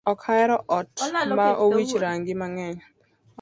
Ok ahero ot ma owich rangi mangeny